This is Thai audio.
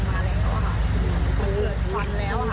มันเห็นลองมาเลยมันเหลือห่วงตัวฟ้านแล้ว